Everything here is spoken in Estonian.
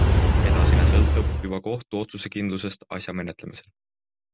Edasine sõltub juba kohtu otsusekindlusest asja menetlemisel.